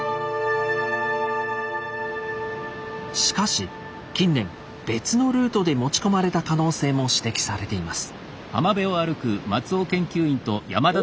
しかし近年別のルートで持ち込まれた可能性も指摘されています。